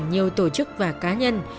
nhiều tổ chức và cá nhân